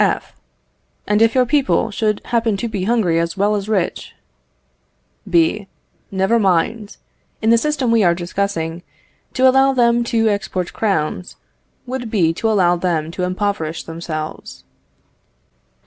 F. And if your people should happen to be hungry as well as rich? B. Never mind. In the system we are discussing, to allow them to export crowns would be to allow them to impoverish themselves.